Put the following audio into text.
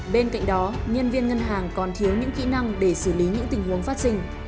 bên cạnh đó nhân viên ngân hàng còn thiếu những kỹ năng để xử lý những tình huống phát sinh